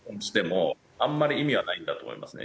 あんまり意味はないんだと思いますね。